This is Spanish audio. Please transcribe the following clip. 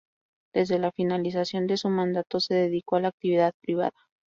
Desde la finalización de su mandato se dedicó a la actividad privada.